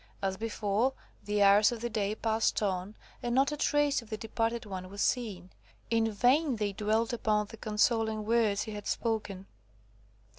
As before, the hours of the day passed on, and not a trace of the departed one was seen. In vain they dwelt upon the consoling words he had spoken.